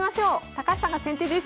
高橋さんが先手です。